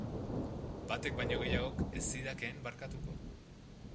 Batek baino gehiagok ez zidakeen barkatuko.